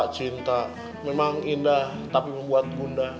cinta memang indah tapi membuat bunda